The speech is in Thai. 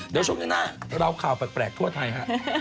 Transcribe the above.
เดี๋ยวช่วงหน้าเราข่าวแปลกทั่วไทยฮะ